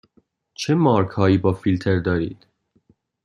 چه مارک هایی با فیلتر دارید؟